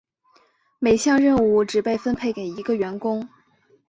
每项任务只被分配给一个员工。